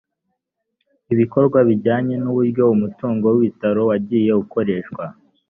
ibikorwa bijyanye n’uburyo umutungo w’ibitaro wagiye ukoreshwa